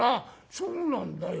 「そうなんだよ。